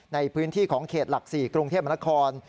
ในพื้นที่ของเขตหลัก๔กรุงเทพมนคร